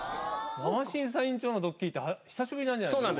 審査委員長のドッキリって久しぶりなんじゃない？